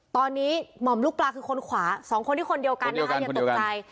ตอนนี้หม่อมลูกปลาคือคนขวาสองคนที่คนเดียวกันนะคะอย่าตกใจ